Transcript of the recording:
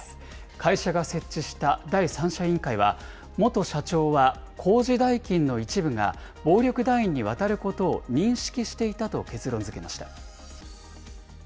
会社が設置した第三者委員会は、元社長は工事代金の一部が暴力団員に渡ることを認識していたと結論づけました。